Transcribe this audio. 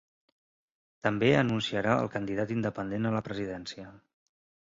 També anunciarà el candidat independent a la presidència.